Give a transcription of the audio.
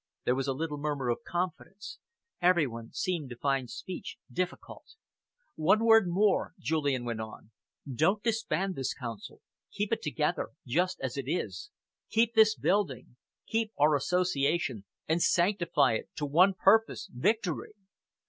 There was a little murmur of confidence. Everyone seemed to find speech difficult. "One word more," Julian went on. "Don't disband this Council. Keep it together, just as it is. Keep this building. Keep our association and sanctify it to one purpose victory."